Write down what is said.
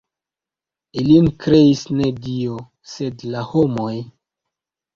Ilin kreis ne Dio, sed la homoj.